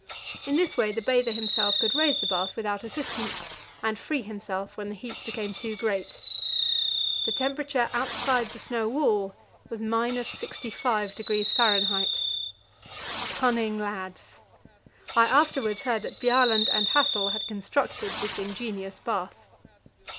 In this way the bather himself could raise the bath without assistance, and free himself when the heat became too great. The temperature outside the snow wall was 65° F. Cunning lads! I afterwards heard that Bjaaland and Hassel had constructed this ingenious bath.